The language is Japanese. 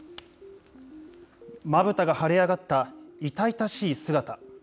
まぶたが腫れ上がった痛々しい姿。